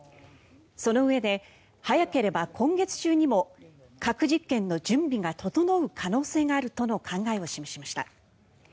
そのうえで、早ければ今月中にも核実験の準備が整う可能性があるとの考えを示しました。